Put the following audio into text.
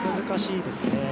難しいですね。